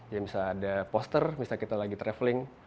jadi misalnya ada poster misalnya kita lagi traveling